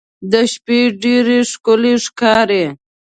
د شپې ډېر ښکلی ښکاري.